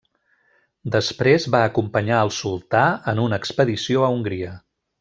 Després va acompanyar al sultà en una expedició a Hongria.